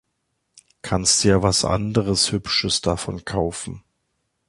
Kannst ja was anderes hübsches davon kaufen.